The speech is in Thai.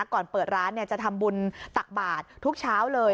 ก่อนเปิดร้านจะทำบุญตักบาททุกเช้าเลย